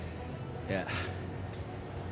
いや。